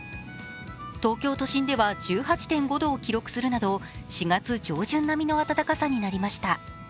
東京都心では１８．５度を記録するなど４月上旬の暖かさとなりました。